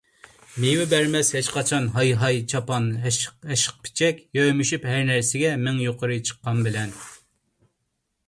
مېۋە بەرمەس ھېچقاچان ھاي - ھاي چاپان ھەشقىپىچەك، يۆمىشىپ ھەرنەرسىگە مىڭ يۇقىرى چىققان بىلەن.